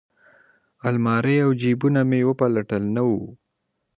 المارۍ او جیبونه مې وپلټل نه وه.